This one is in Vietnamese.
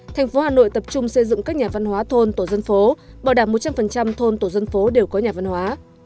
thành phố hà nội tập trung xây dựng các nhà văn hóa thôn tổ dân phố bảo đảm một trăm linh thôn tổ dân phố đều có nhà văn hóa